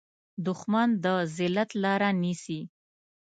دښمن د ذلت لاره نیسي